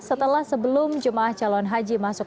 setelah sebelum jemaah calon haji masuk